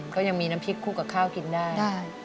ก็ยังมีน้ำพริกคู่กับข้าวกินได้